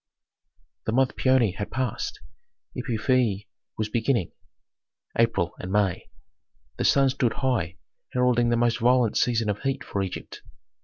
The month Paoni had passed, Epiphi was beginning (April and May). The sun stood high, heralding the most violent season of heat for Egypt.